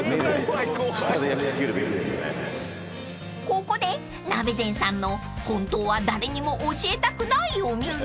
［ここでナベゼンさんの本当は誰にも教えたくないお店］